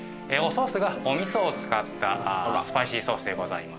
おソースがお味噌を使ったスパイシーソースでございます。